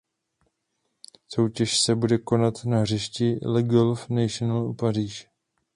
Soutěž se bude konat na hřišti Le Golf National u Paříže.